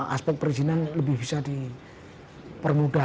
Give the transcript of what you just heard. aspek perizinan lebih bisa dipermudah